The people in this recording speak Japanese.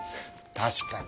確かに。